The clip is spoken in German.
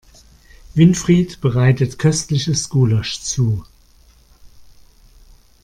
Winfried bereitet köstliches Gulasch zu.